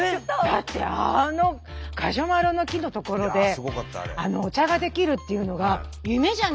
だってあのガジュマルの樹の所でお茶ができるっていうのが夢じゃないですか。